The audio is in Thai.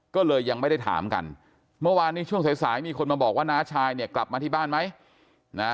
ก็เลยยังไม่ได้ถามกันเมื่อวานนี้ช่วงสายสายมีคนมาบอกว่าน้าชายเนี่ยกลับมาที่บ้านไหมนะ